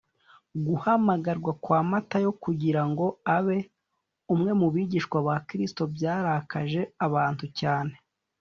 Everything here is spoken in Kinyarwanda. guhamagarwa kwa matayo kugira ngo abe umwe mu bigishwa ba kristo byarakaje abantu cyane